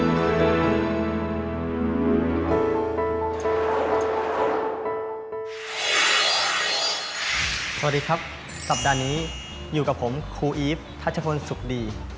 สวัสดีครับสัปดาห์นี้อยู่กับผมครูอีฟทัชพลสุขดี